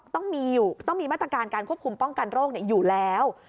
ต้องมีมาตรการการควบคุมป้องกันโรคอยู่แล้ว